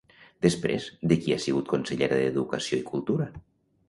Després de qui ha sigut consellera d'educació i cultura?